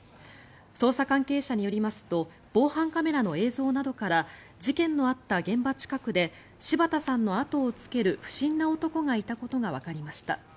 捜査関係者によりますと防犯カメラの映像などから事件のあった現場近くで柴田さんの後をつける不審な男がいたことがわかりました。